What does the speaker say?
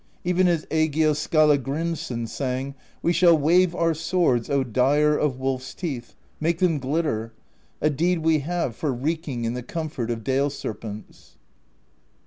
Even as Egill Skallagrimsson sang: We shall wave our swords, O Dyer Of Wolf's Teeth, make them glitter: A deed we have for wreaking In the Comfort of Dale Serpents.